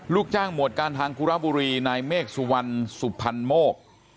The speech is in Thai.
ลูกจ้างหมวดการทางกุระบุรีนายเมฆสุวรรณสุพรรณโมก